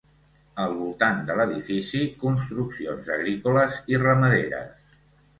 Al voltant de l'edifici, construccions agrícoles i ramaderes.